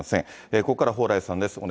ここからは蓬莱さんです。